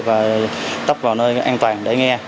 và tắp vào nơi an toàn để nghe